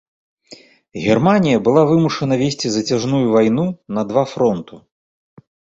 Германія была вымушана весці зацяжную вайну на два фронту.